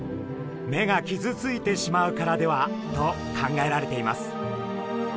目が傷ついてしまうからではと考えられています。